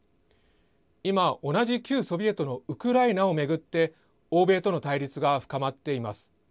今、同じ旧ソビエトのウクライナを巡って、欧米との対立が深まっています。